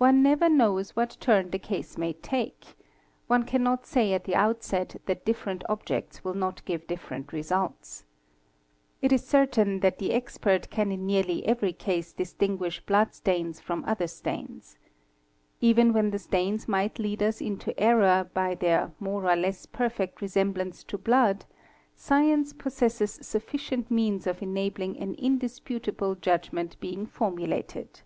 One never knows what turn the case may take; one cannot say at the outset that different objects will not give different results. It is certain that the expert can in nearly every case distinguish blood stains from other stains. Even when the stains might lead us into error by, their more or less perfect resemblance to blood, science possesses sufficient means of enabl ing an indisputable judgment being formulated.